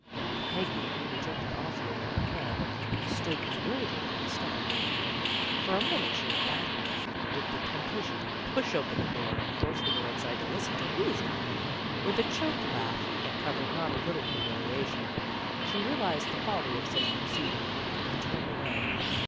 Peggy, her rejected offering in her hand, stood be wildered on the step. For a moment she battled with the temptation to push open the door and force the girl inside to listen to reason. With a choked laugh, that covered not a little humiliation, she realized the folly of such a proceeding and turned away.